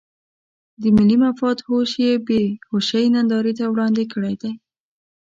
د ملي مفاد هوش یې بې هوشۍ نندارې ته وړاندې کړی دی.